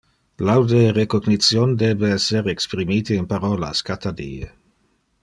Laude e recognition debe esser exprimite in parolas cata die.